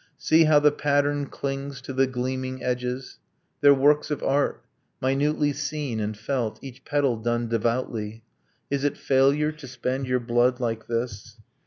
See how the pattern clings to the gleaming edges! They're works of art minutely seen and felt, Each petal done devoutly. Is it failure To spend your blood like this?